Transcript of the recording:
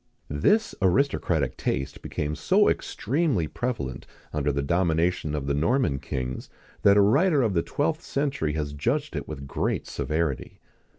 This aristocratic taste became so extremely prevalent under the domination of the Norman kings, that a writer of the twelfth century has judged it with great severity.